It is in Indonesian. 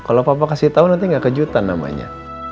kalau papa kasih tau nanti gak kejutan namanya